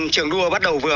trường đua bắt đầu vừa